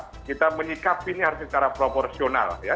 artinya apa kita menyikap ini harus secara proporsional